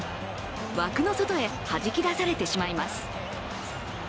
枠の外へはじき出されてしまいます。